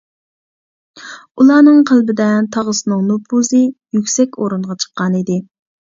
ئۇلارنىڭ قەلبىدە تاغىسىنىڭ نوپۇزى يۈكسەك ئورۇنغا چىققانىدى.